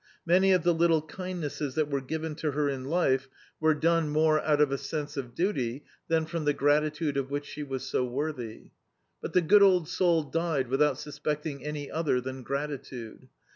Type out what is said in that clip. Many of the little kindnesses that were given to her in life were done Do.icdt, Google The Autobiography of a Super Tramp more out of a sense of duty than from the gratitude of which she was so worthy. But the good old soul died without suspectiug any other than gratitude.